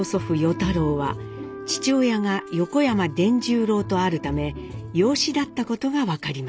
太郎は父親が横山傳十郎とあるため養子だったことが分かります。